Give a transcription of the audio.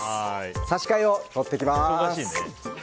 差し替えを取ってきます。